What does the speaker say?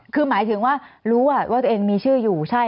คือหมายถึงว่ารู้ว่าตัวเองมีชื่ออยู่ใช่